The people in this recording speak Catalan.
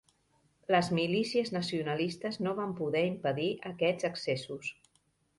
Les milícies nacionalistes no van poder impedir aquests excessos.